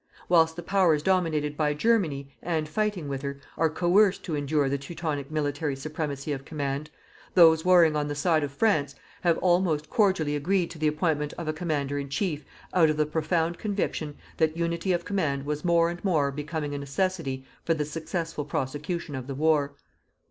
Whilst the Powers dominated by Germany, and fighting with her, are coerced to endure the Teutonic military supremacy of command, those warring on the side of France have all most cordially agreed to the appointment of a Commander in Chief out of the profound conviction that unity of command was more and more becoming a necessity for the successful prosecution of the war.